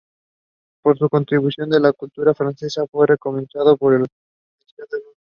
Por su contribución a la cultura francesa fue recompensado con la Legión de Honor.